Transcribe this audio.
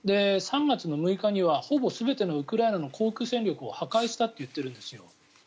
３月６日にはほぼ全てのウクライナの航空戦力を破壊したって言っているんですよ。